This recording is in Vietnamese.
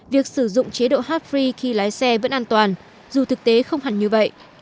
việc sử dụng chế độ hotfori khi lái xe vẫn an toàn dù thực tế không hẳn như vậy